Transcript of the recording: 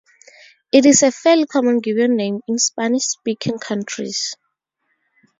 It is a fairly common given name in Spanish-speaking countries.